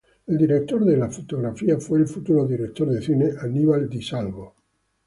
El director de fotografía fue el futuro director de cine Aníbal Di Salvo.